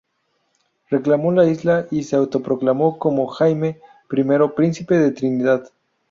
Reclamó la isla y se autoproclamó como Jaime I, Príncipe de Trinidad.